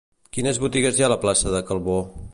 Quines botigues hi ha a la plaça de Calvó?